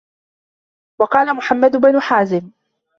وَقَالَ مُحَمَّدُ بْنُ حَازِمٍ